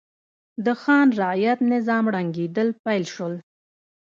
د خان رعیت نظام ړنګېدل پیل شول.